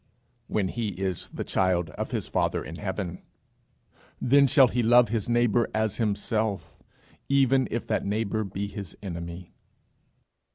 When he is the child of his Father in heaven. Then shall he love his neighbour as himself, even if that neighbour be his enemy.